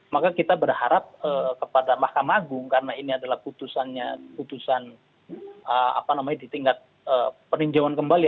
maka kita berharap kepada mahkamah agung karena ini adalah putusan di tingkat peninjauan kembali